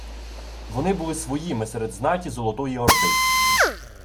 Вони були своїми серед знаті Золотої Орди